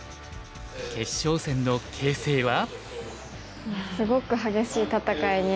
決勝戦の形勢は？